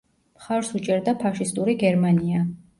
მხარს უჭერდა ფაშისტური გერმანია.